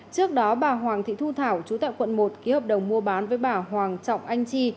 trước đó bà hoàng thị thu thảo chú tại quận một ký hợp đồng mua bán với bà hoàng trọng anh chi